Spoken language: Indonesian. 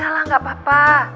udahlah nggak apa apa